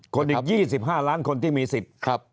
คนอีก๒๕ล้านคนที่มีสิทธิ์